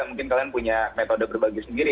mungkin kalian punya metode berbagi sendiri